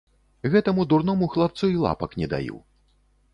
Гэтаму дурному хлапцу і лапак не даю.